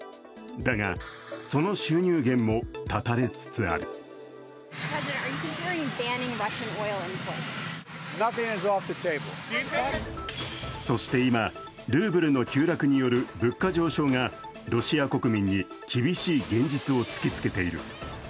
だが、その収入源も断たれつつあるそして今、ルーブルの急落による物価上昇がロシア国民に厳しい現実を突きつけている。